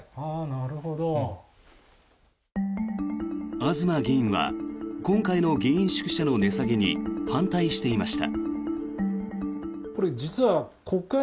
東議員は今回の議員宿舎の値下げに反対していました。